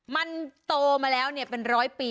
มันโตมาแล้วเป็นร้อยปี